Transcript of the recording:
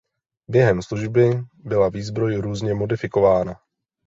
Během služby byla výzbroj různě modifikována.